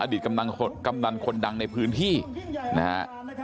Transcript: กำนันคนดังในพื้นที่นะฮะ